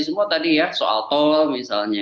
semua tadi ya soal tol misalnya